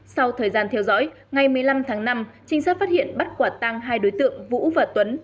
sau thời gian theo dõi ngày một mươi năm tháng năm trinh sát phát hiện bắt quả tăng hai đối tượng vũ và tuấn